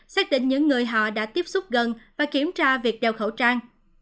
xác định những người họ đã tiếp xúc gần và kiểm tra việc đeo khẩu trang